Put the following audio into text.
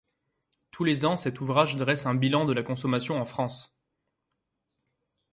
Tous les ans cet ouvrage dresse un bilan de la consommation en France.